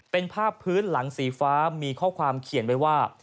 เป็นภาพพื้นหลังสีฟ้ามีข้อความเขียนไว้ว่า